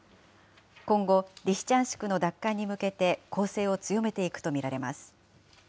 今後、リシチャンシクの奪還に向けて攻勢を強めていくと見られます。